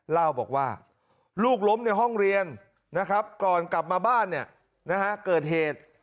เล่าบอกว่าลูกล้มในห้องเรียนนะครับก่อนกลับมาบ้านเกิดเหตุ